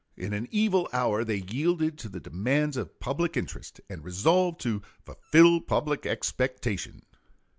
In an evil hour they yielded to the demands of "public interest," and resolved to "fulfill public expectation."